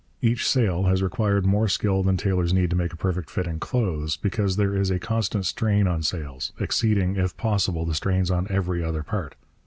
Each sail has required more skill than tailors need to make a perfect fit in clothes, because there is a constant strain on sails, exceeding, if possible, the strains on every other part.